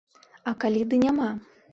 А калі ды няма?